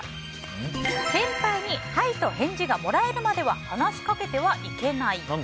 先輩にハイと返事をもらえるまでは話してはいけない！